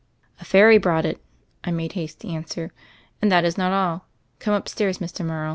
"A fairy brought it," I made haste to answer, "And this is not all. Come upstairs, Mr. Morrow."